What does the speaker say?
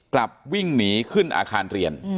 กลับวิ่งหนีขึ้นอาคารเรียน